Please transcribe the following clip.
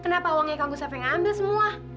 kenapa wangnya kang gusap yang ngambil semua